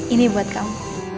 ini buat kamu